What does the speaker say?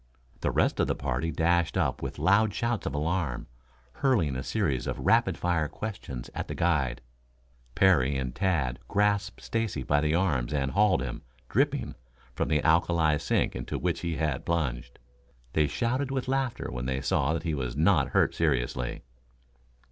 The rest of the party dashed up with loud shouts of alarm, hurling a series of rapid fire questions at the guide. Parry and Tad grasped Stacy by the arms and hauled him, dripping, from the alkali sink into which he had plunged. They shouted with laughter when they saw that he was not hurt seriously.